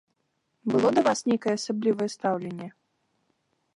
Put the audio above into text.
Было да вас нейкае асаблівае стаўленне?